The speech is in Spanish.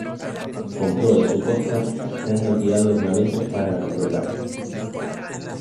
Compró de su costa gran cantidad de ornamentos para la catedral.